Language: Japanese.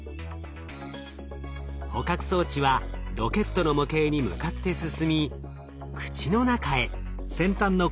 捕獲装置はロケットの模型に向かって進み口の中へ。